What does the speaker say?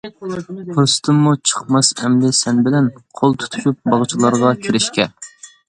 پۇرسىتىممۇ چىقماس ئەمدى سەن بىلەن، قول تۇتۇشۇپ باغچىلارغا كىرىشكە.